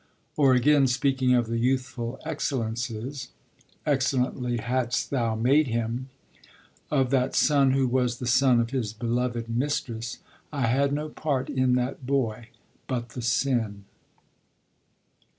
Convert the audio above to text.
Or, again, speaking of the youthful excellences ('excellently hadst Thou made him') of that son who was the son of his beloved mistress: 'I had no part in that boy, but the sin.'